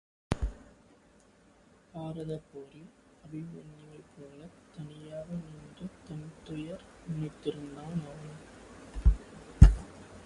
பாரதப் போரில் அபிமன்யுவைப் போலத் தனியாக நின்று, தன்துயர் நினைந்திருந்தான் அவன்.